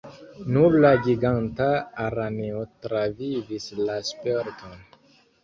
Nur la Giganta Araneo travivis la sperton.